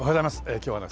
今日はね